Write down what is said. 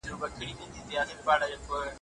سرمایه داري نظام په شلمه پیړۍ کي وده وکړه.